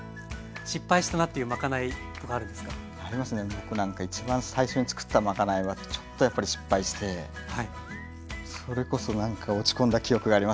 僕なんか一番最初につくったまかないはちょっとやっぱり失敗してそれこそ落ち込んだ記憶がありますね。